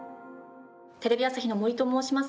テレビ朝日の森と申します。